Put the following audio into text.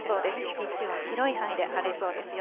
日中は広い範囲で晴れそうですよ。